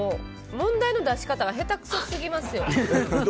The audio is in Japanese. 問題の出し方が下手くそすぎますよ。